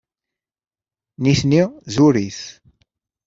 Nitni zurit.